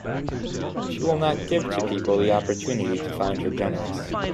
She will not give to people the opportunity to find her generous.